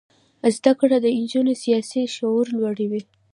زده کړه د نجونو سیاسي شعور لوړوي.